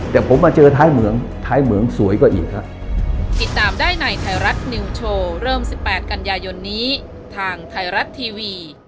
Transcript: แต่ผมมาเจอท้ายเหมืองท้ายเหมืองสวยกว่าอีกครับ